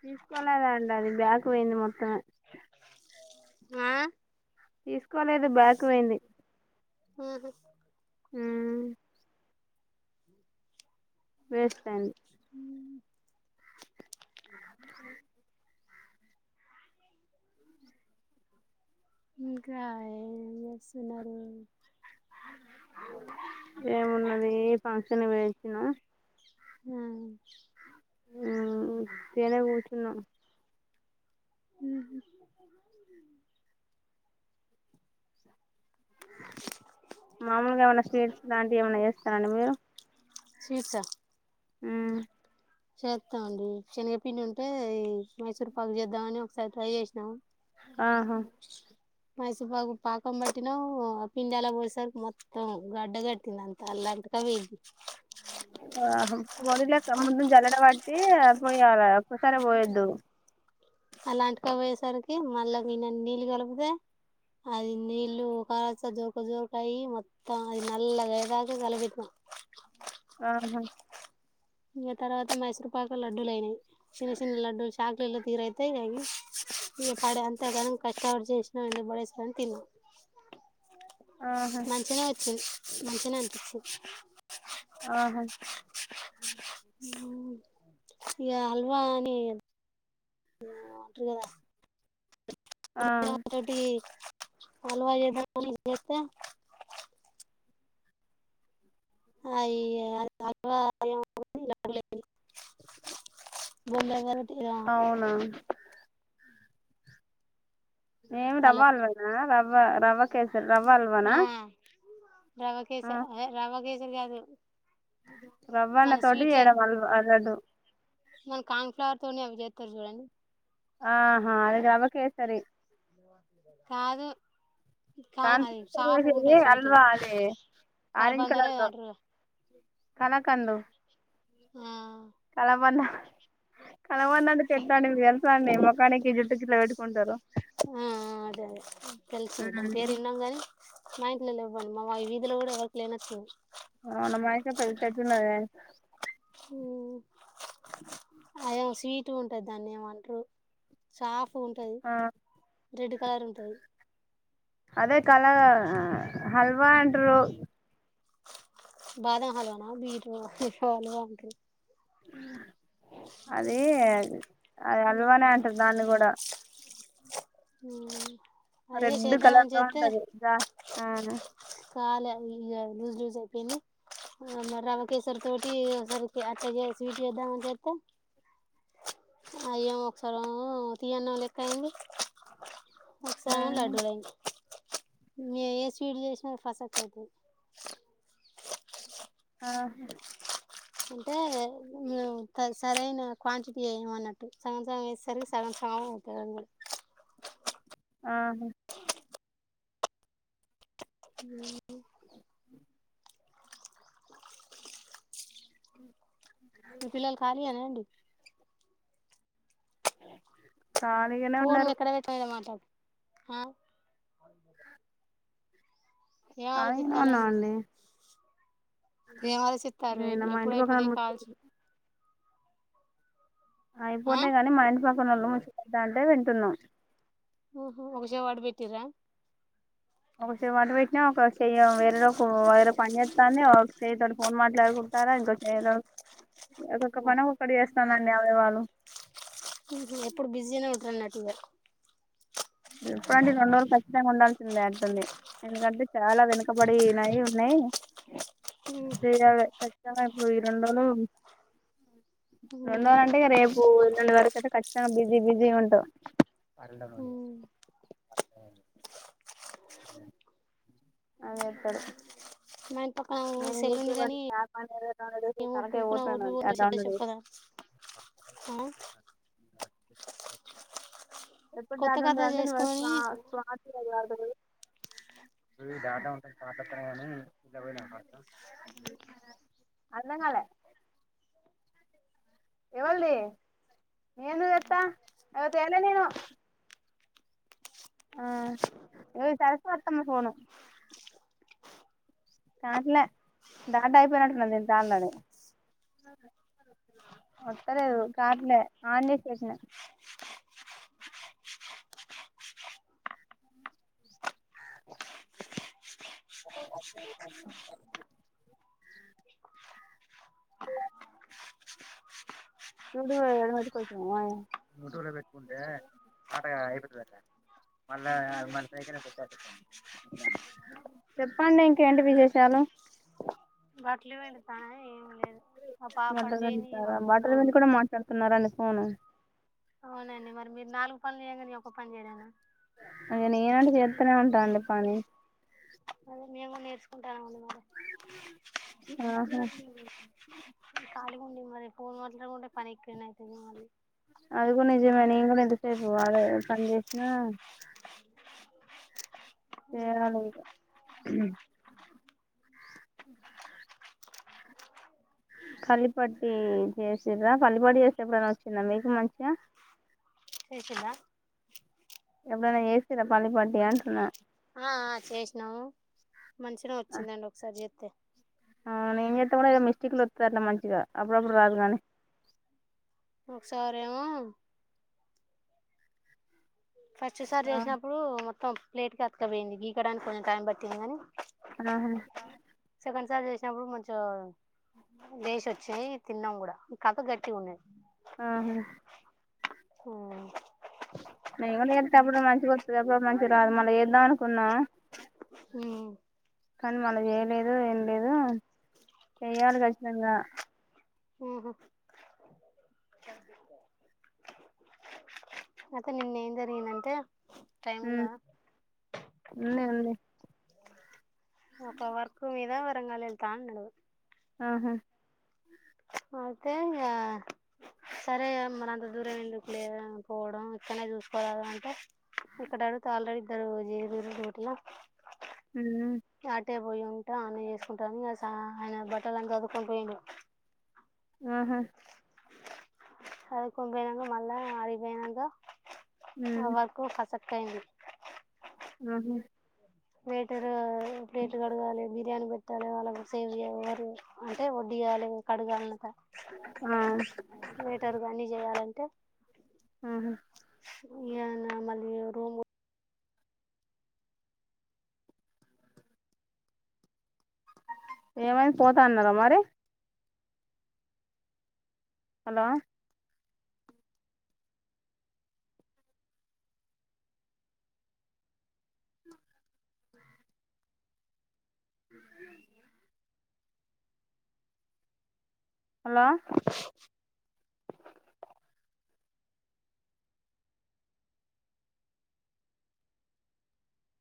తీసుకోలేదాండి అది బ్యాక్ పోయింది మొత్తమే ఆ తీసుకోలేదు బాక్ పోయింది ఉహు ఉమ్మ్ వేస్టయింది ఇంకా ఏం చేస్తున్నారు ఏమున్నది ఏ ఫంక్షన్ కి పోయోచ్చిన హ్మ్మ్ ఉమ్మ్ ఉత్తినే కూచున్నాం ఉహు మామూలుగా ఏమన్నా స్వీట్స్ లాంటివి ఏమన్నా చేస్తరండి మీరు స్వీట్సా ఉమ్ చేత్తమండి శనగపిండి ఉంటే ఈ మైసూర్ పాకు చేద్దామని ఒకసారి ట్రై చేసినా ఆహా మైసూర్పాకు పాకం పట్టిన పిండల్లా పోసే సరికి మొత్తం గడ్డ కట్టింది అంత అల్లాంటక పోయిన్ది ఆ మడిలెంక ముందు జలె బట్టి పోయాల ఒక్కసారి పోయద్దు అలాంటక పోయేసరికి మళ్ళ గిన్నని నీళ్ళు కలిపితే అది నీళ్ళ కచ జోరుక జోరుకయి మొత్తం అది నల్లగా అయ్యేదాక కలపెట్టినం ఆ హా ఇగా తర్వాత మైసూర్ పాకు లడ్డూలు అయినాయి చిన్న చిన్న లడ్డూలు చాక్లేటలా తీర అయితే ఇగ ఇ పడ అంతా గనం కష్టపడి చేేశ్నం ఎందుకు బడెసుడు అని తిన్నాం ఆహా మంచనే వచ్చింది మంచినే అనిపించింది ఆహా ఇ హల్వా అ [unintelligible] ఆ [unintelligible] టి హల్వాద ఇతే అయ్య అది అ [inaudible] బొంబై పెటిద అవునా ఏమి రవ్వా హలో హల్వా నా రవ్వ రవ్వ కేే ఆ ఆ రవకేశర్ రవాకేశరి కాదు రవ్వన్న మన తోటి స్వీట్లర్ చేయడం వల్ అవదు మన కాన్ ఫ్లవర్ తోని అవి జెత్తారు చూడండి ఆహా అది రవ్వ కేసరి కాదు కా కాన్ అది సాఫ వేసేది ఉంటాయి స్వీట్ అల్వా అది కలబందనేంట కనకండు ఆ కలబంద కలబంధతో పెట్టాం తెలుసాం మొకానికి జుట్టు కిట్ పెట్టుకుంటారు ఆ అదే అదే తెలుసు దాని పేరు ఇనం కా మా ఇంట్లో ఇవ్వండి మా వీధిలో కూడా ఎవరికి లేనచ్చలేవు మనమైతే [unintelligible] వున్నదే ఊ అ ఏం స్వీట్ ఉంటాది దాన్ని ఏమ అంటారు సాఫ్ ఉంటది ఆ రెడ్ కలర్ ఉంటది అదే కాల హల్వా అంట్రూ బాదమ్ హల్వనా బీట్ రు హాల్వా అంటారు అది అది అల్వానే అంటరు దాన్ని కూడా అయే రెడ్ కలర్ చేద్దామని లో చేతే ఉంటది దా ఆ కాలే ఇగ లూస్ లూస్ ఐపోయింది ఇగ మరి రవ్వ కేసరి తోటి అసల్ కి అట్ట స్వీట్ చేద్దామని చేతే అయ్యో ఒకసారి ఏమో తీయన్నా లెక్క అయింది ఆ ఒకసారెమో లడ్డుల ఐంది నేనే ఏ స్వీడ్ చేసినా అది పసక్ ఐతది ఆ అంటే య కస్ సరైన క్వాంటిటీ వేయం అన్నట్టు సగం సగం వేసే సరికి సగం సగం అయితది అది కూడా ఆహా ఊ ఉ మీ పిల్లలు కాళీ ఏనా అండి ఖాళీగానే ఫోన్ లు ఉన్నారు ఎక్కడ వెటయిన మాట్లాడు ఏ ఖాళీగానే ఆలోచితాలండి ఉన్నామండి ఏం ఆలోచితరు ఎ నేను మా ఎప్పుడ ఇంటి అయిపోతేయి ఈ పక్కనోళ్లు కాల్సు ఆ అయిపోతే కాని మా ఇంటి పక్కనొళ్ళు ముచ్చద్దా అంటే వింటున్నాం ఓహో ఒక చెవ్ అటు బెటిండ్రా ఒక చెవ్ అటు పెట్టినా ఒక చెయ్య వేరే లో ఒక వైరు పని చేతంది ఒక చేయ తోడు ఫోన్ మాట్లాడుకుంట తరాగ్ గొట్టిన చూడు ఒక్కొక్క వా పని ఒక్కటి చేస్తామండి అవయవాలు ఊహు ఎప్పుడు బిజీనే ఉంటరు అనటు ఇగ ఎప్పుడంటే రెండు రోజులు ఖచ్చితంగా ఉండాల్సిందే అంటుంది ఎందుకంటే చాలా వెనుకబడి నాయి ఉన్నాయి ఆ ఊహు వేరేవే ఖచ్చితంగా ఈ రెండు రోజులు ఊమ్ వెళ్దానంటే ఇగ రేప్ ఓ ఎల్లుండి వరకైతే ఖచ్చితంగ బిజి బిజీ ఉంటవ్ అరుడనోలియ అట్నే ఊమ్ ఐంది అవే ఎత్తడు ఔను సెలు వుంది కానీ అనేది డౌన్లోడ్ ఒ చేసి తనకే పుడుకున ఒకటి బి పోతున్నాను ఒకటి చెప్పిన డౌన్లోడ్ చేసి చెప్పదా ఆ? ఎప్పుడు కొత్త డాడుండ ఖాతా అంటే నువేమో స్వా చేసుకొని స్వాతి [unintelligible] సో ఈ డాట అంత దాటక పోయిన గని ఇట్ల పోయినం ఫ అర్థం గాలె ఎవళ్దీ? నేనెందుకు దెత్తా? ఏ తేలే నేను. ఆ ఇవాల స్వరూపత్తే నేన్ పోను కాట్లే డాటా అయిపోయినటున్నది నీ తాళన్నే ఒత్తలేదు కాట్లే ఆన్ జేసి పెట్టిన [unintelligible] [unintelligible] చూడు ఎవతి కోసమూ? ముటూర పెట్టుకుంటే ఆట అయిపోతదట మళ్ళా మనసైకిన ఎంతొస్తే అంతిస్తారు. చెప్పండి ఇంకేంటి విశేషాలు? [unintelligible] బట్టలు పిండుతానా ఏం లేదు. మా పాప అటుబొయింది. [unintelligible] కొంతమంది కూడ మాట్లాడుతున్నారా నీ ఫోనూ చెయ్య గని, ఈ ఒక్క పనిచేయలేన ఇగ నేనంటె జేత్తనే ఉంటాండు పని. అది మేము నేర్చుకుంటాం అమ్మ ఆహ! ఖాళిగుండి మరి ఫోన్ మట్లాడకుంటే పని ఎక్కువనైతది మళ్ళి అది గుడ నిజమే నేను గుడ ఇంతసేపు వాడల పని చేసినా. మ్మ్ [unintelligible] ఫల్లిపట్టీ చేసిర్రా ఫల్లిపట్టి చేస్తే ఎప్పుడైనా వచ్చిందా మీకు మంచిగా. చేేసిన్రా ఎప్పుడన్న జేసిన్రా ఫల్లిపట్టీ? అంటున్నా. ఆ ఆ చేసినము మంచిగనొచ్చిందండి ఒకసారి జేతే ఆ నేం జేస్తె గుడా ఎదొ మిస్టేక్లొ ఒత్తది అట్ల మంచిగా అప్పుడప్పుడు రాదు గానీ ఒకసారేమో! ఫస్ట్ సారి చేసినప్పుడూ మొత్తం ప్లేట్ కె అతుక్కపోయింది. గీకడానికి కొంచెం టైం పట్టింది గాని ఆహా సెకండ్ సారి [unintelligible] [unintelligible] ఆహా! ఆ నేన్ గుడా జేతే అప్పుడు మంచిగా ఒత్తది. అప్పుడప్పుడు మంచిగ రాదు. మళ్ళీ చేద్దాం అనుకున్నా. ఊ కానీ మనం జెయ్యలేదు ఏం లేదూ. చెయ్యాలి ఖచ్చితంగా ఊహు అయితే నిన్న ఏం జరిగిందంటే టైం ఊ ఉందా ఉన్నద్ ఉంది. ఒక వర్క్ మీదా వరంగల్ ఎళ్తా అన్నడు. ఆహా. అయితే ఇగ సరే మనంత దూరం ఎందుకులే పోవడం ఇక్కనే జూసుకోరాద అంటే ఇక్కడ ఇక్కడ ఆల్రడీ ఇద్దరూ జేరిన్ రూట్ల హు అట్టే పోయి ఉంట ఆన్న వేసుకుంటాని ఆయన బట్టలని చదుకొని పోయిను ఆహా అదికుపోనాంగా మళ్ళ అరిపోనాంగా ఉమ్ ఆ వర్క్ ఫసక్ అయ్యింది ఆహ బేటర్ ప్లేట్ కడగాలి బిర్యానీ పెట్టాలి వాళ్ళకు సేవ చేయాలి అంటే వడ్డీ యాలి కడుగాన్నట ఆ వేటర్ కాన్ని చేయాలంట ఆహా ఏనా మది ఎవరో [unintelligible] పోతా అన్నార మరి హలో హలో